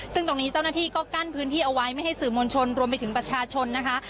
ซึ่งตรงนี้เจ้าหน้าที่ก็กั้นพื้นที่เอาไว้ไม่ให้สื่อมวลชนรวมไปถึงประชาชนนะคะ